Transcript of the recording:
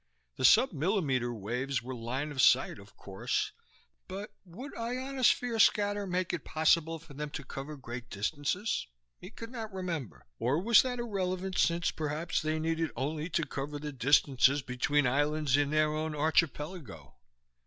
The submillimeter waves were line of sight, of course, but would ionosphere scatter make it possible for them to cover great distances? He could not remember. Or was that irrelevant, since perhaps they needed only to cover the distances between islands in their own archipelago?